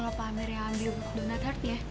bapak amir yang ambil donut hartinya